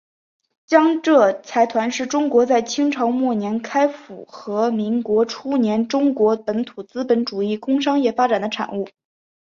江浙财团是中国在清朝末年开阜和民国初年中国本土资本主义工商业发展的产物。